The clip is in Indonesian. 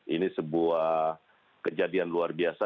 ini sebuah kejadian luar biasa